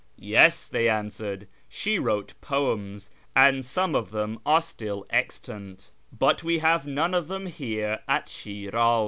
" Yes," they answered, " she wrote poems, and some of them are still extant ; but we have none of them here in Shi'raz.